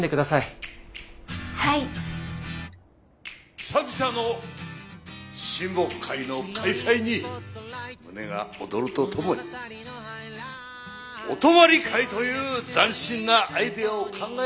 久々の親睦会の開催に胸が躍るとともにお泊まり会という斬新なアイデアを考え